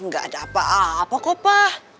gak ada apa apa kok pa